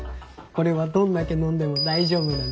これはどんだけ飲んでも大丈夫なんだよ。